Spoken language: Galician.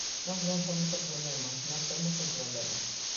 Nós non somos o problema, nós temos un problema.